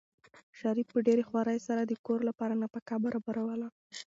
شریف په ډېرې خوارۍ سره د کور لپاره نفقه برابروله.